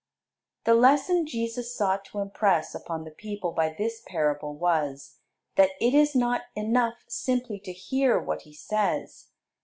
The lesson Jesus sought to impress upon the people by this parable was, that it is not enough simply to hear what He says.